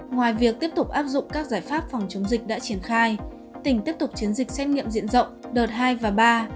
ngoài việc tiếp tục áp dụng các giải pháp phòng chống dịch đã triển khai tỉnh tiếp tục chiến dịch xét nghiệm diện rộng đợt hai và ba